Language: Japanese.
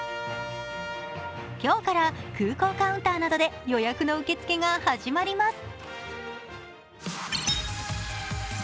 今日から空港カウンターなどで予約の受付が始まります。